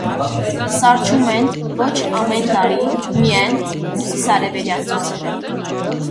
Սառչում են (ոչ ամեն տարի) միայն հյուսիսարևելյան ծոցերը։